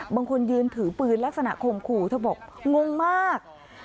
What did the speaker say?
บางคนยืนถือปืนลักษณะข่มขู่เธอบอกงงมาก